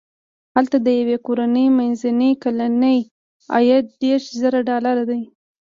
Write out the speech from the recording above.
هلته د یوې کورنۍ منځنی کلنی عاید دېرش زره ډالر دی.